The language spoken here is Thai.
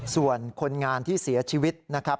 ส่วนคนงานที่เสียชีวิตนะครับ